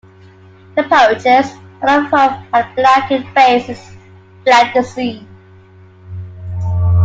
The poachers, all of whom had blackened faces, fled the scene.